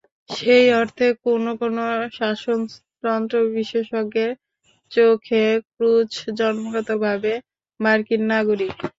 সেই অর্থে কোনো কোনো শাসনতন্ত্র বিশেষজ্ঞের চোখে ক্রুজ জন্মগতভাবে মার্কিন নাগরিক।